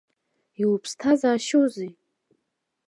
Иуԥсҭазаашьоузеи?